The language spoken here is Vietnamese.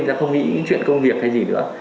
ta không nghĩ những chuyện công việc hay gì nữa